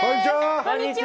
こんにちは！